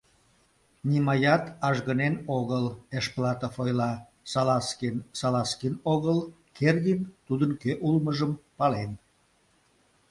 — Нимаят ажгынен огыл, — Эшплатов ойла, Салазкин — Салазкин огыл, Кердин тудын кӧ улмыжым пален...